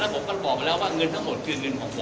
ผมก็บอกไปแล้วว่าเงินทั้งหมดคือเงินของผม